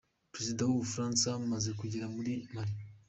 Perezida w’u Bufaransa amaze kugera muri Mali